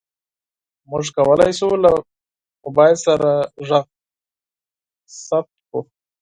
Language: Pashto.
موږ کولی شو له موبایل سره غږ ثبت کړو.